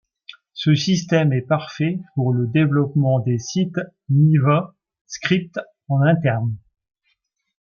Ce système est parfait pour le développement des sites Miva Script en interne.